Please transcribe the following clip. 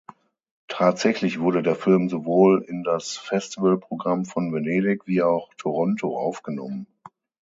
Tatsächlich wurde der Film sowohl in das Festivalprogramm von Venedig wie auch Toronto aufgenommen.